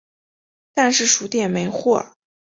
但是书店没货